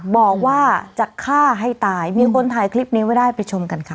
บอกว่าจะฆ่าให้ตายมีคนถ่ายคลิปนี้ไว้ได้ไปชมกันค่ะ